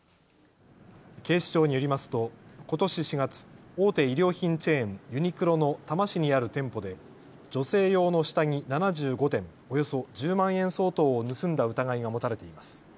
警視庁によりますとことし４月、大手衣料品チェーン、ユニクロの多摩市にある店舗で女性用の下着７５点、およそ１０万円相当を盗んだ疑いが持たれています。